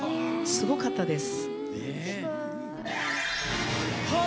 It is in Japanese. すごかったです。